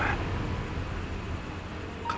ntar gua penuh